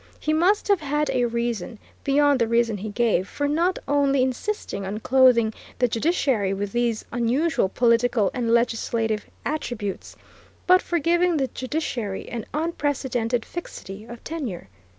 He must have had a reason, beyond the reason he gave, for not only insisting on clothing the judiciary with these unusual political and legislative attributes, but for giving the judiciary an unprecedented fixity of tenure.